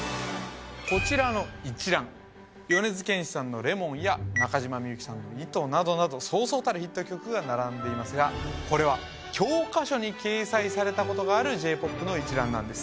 こちらの一覧米津玄師さんの「Ｌｅｍｏｎ」や中島みゆきさんの「糸」などなどそうそうたるヒット曲が並んでいますがこれは教科書に掲載されたことがあるＪ−ＰＯＰの一覧なんです